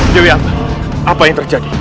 yoyanta apa yang terjadi